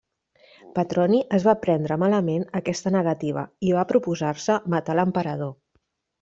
Petroni es va prendre malament aquesta negativa i va proposar-se matar l'emperador.